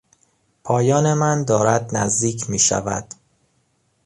پایان من دارد نزدیک میشود.